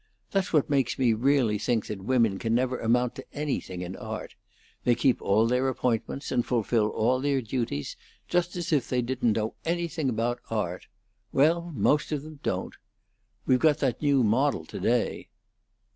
That's what makes me really think that women can never amount to anything in art. They keep all their appointments, and fulfil all their duties just as if they didn't know anything about art. Well, most of them don't. We've got that new model to day."